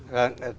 vâng xin mời ạ